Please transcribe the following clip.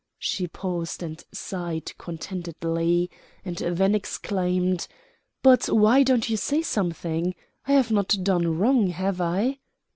She paused and sighed contentedly, and then exclaimed: "But why don't you say something? I have not done wrong, have I?"